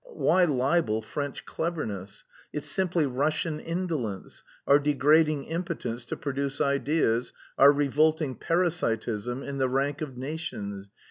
Why libel French cleverness? It's simply Russian indolence, our degrading impotence to produce ideas, our revolting parasitism in the rank of nations.